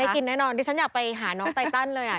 กินแน่นอนดิฉันอยากไปหาน้องไตตันเลยอ่ะ